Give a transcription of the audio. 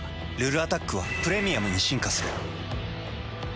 「ルルアタック」は「プレミアム」に進化する。